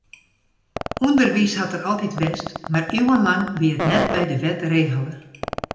Underwiis hat der altyd west, mar iuwenlang wie it net by de wet regele.